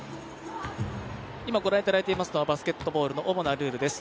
ご覧いただいているのはバスケットボールの主なルールです。